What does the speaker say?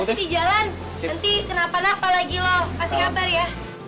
hati hati di jalan nanti kenapa napa lagi lo kasih kabar ya